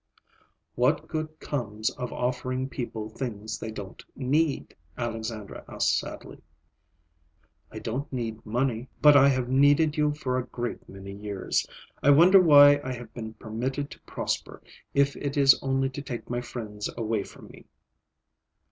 "What good comes of offering people things they don't need?" Alexandra asked sadly. "I don't need money. But I have needed you for a great many years. I wonder why I have been permitted to prosper, if it is only to take my friends away from me."